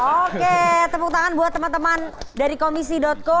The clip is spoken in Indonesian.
oke tepuk tangan buat teman teman dari komisi co